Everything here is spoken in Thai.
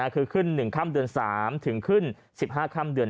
คือขึ้น๑ค่ำเดือน๓ถึงขึ้น๑๕ค่ำเดือน